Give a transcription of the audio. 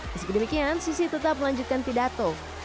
meski demikian susi tetap melanjutkan pidato